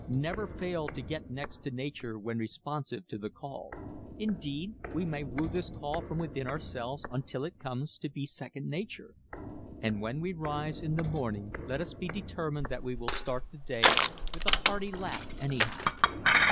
_ Never fail to get next to nature when responsive to the call. Indeed we may woo this call from within ourselves until it comes to be second nature. And when we rise in the morning let us be determined that we will start the day with a hearty laugh anyhow.